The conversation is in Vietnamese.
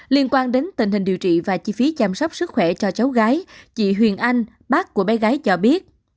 liên quan đến tình hình điều trị và chi phí chăm sóc sức khỏe cho cháu gái chị huyền anh bác của bé gái cho biết